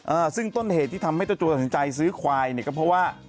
อ่าซึ่งต้นเหตุที่ทำให้เจ้าตัวตัดสินใจซื้อควายเนี่ยก็เพราะว่า